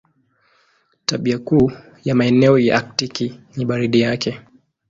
Tabia kuu ya maeneo ya Aktiki ni baridi yake.